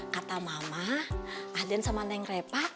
kata mama aden sama neng repa